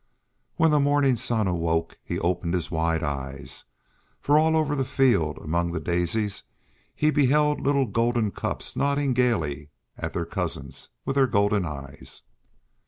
When the morning sun awoke he opened wide his eyes, for all over the field among the Daisies he beheld little Golden Cups nodding gaily at their cousins with the golden eyes.